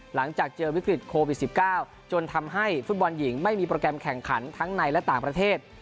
หลังจากเจอวิกฤตโควิด๑๙จนทำให้ฟุตบอลหญิงไม่มีโปรแกรมแข่งขันทั้งในและต่างประเทศ